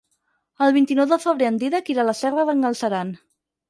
El vint-i-nou de febrer en Dídac irà a la Serra d'en Galceran.